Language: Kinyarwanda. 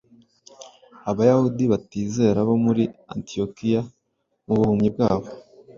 Abayahudi batizera bo muri Antiyokiya mu buhumyi bwabo